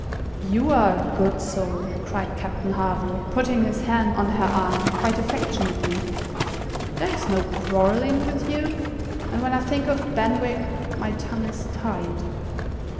"You are a good soul," cried Captain Harville, putting his hand on her arm, quite affectionately. "There is no quarrelling with you. And when I think of Benwick, my tongue is tied."